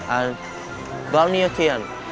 ah bao nhiêu tiền